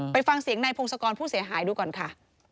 ไปฟังเสียงนายพงศกรผู้เสียหายดูก่อนค่ะ